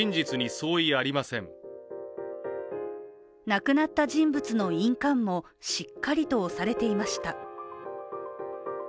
亡くなった人物の印鑑もしっかりと押されていました。